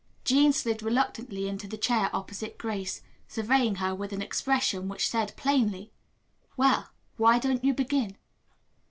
Jean slid reluctantly into the chair opposite Grace, surveying her with an expression which said plainly, "Well, why don't you begin?"